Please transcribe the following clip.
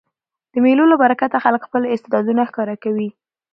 د مېلو له برکته خلک خپل استعدادونه ښکاره کوي.